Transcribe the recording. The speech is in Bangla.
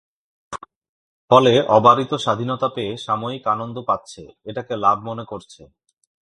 ফলে অবারিত স্বাধীনতা পেয়ে সাময়িক আনন্দ পাচ্ছে, এটাকে লাভ মনে করছে।